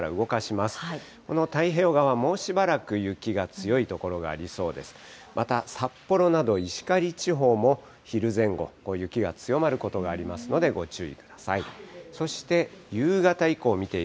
また、札幌など石狩地方も昼前後、雪が強まることがありますので、ご注意ください。